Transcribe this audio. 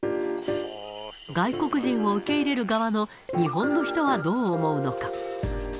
外国人を受け入れる側の日本の人はどう思うのか。